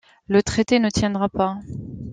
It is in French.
Le traité ne tiendra pas.